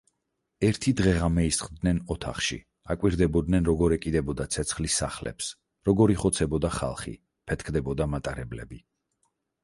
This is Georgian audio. ერთი დღე-ღამე ისხდნენ ოთახში აკვირდებოდნენ როგორ ეკიდებოდა ცეცხლი სახლებს, როგორ იხოცებოდა ხალხი, ფეთქდებოდა მატარებლები.